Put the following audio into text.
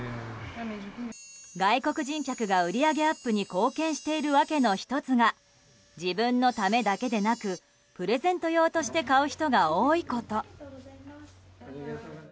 外国人客が売り上げアップに貢献している訳の１つが自分のためだけでなくプレゼント用として買う人が多いこと。